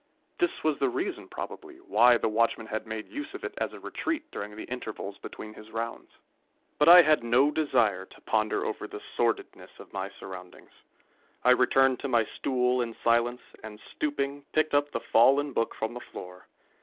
This was the reason, probably, why the watchman had made use of it as a retreat during the intervals between his rounds. But I had no desire to ponder over the sordidness of my surroundings. I returned to my stool in silence, and stooping, picked up the fallen book from the floor.